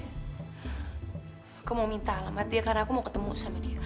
aku mau minta alamat dia karena aku mau ketemu sama dia